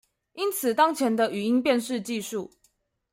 因此當前的語音辨識技術